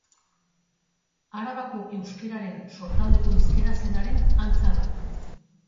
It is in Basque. Arabako euskararen sortaldeko hizkera zenaren antza du.